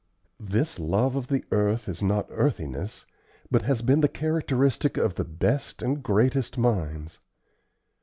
This love of the earth is not earthiness, but has been the characteristic of the best and greatest minds.